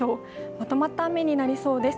まとまった雨になりそうです。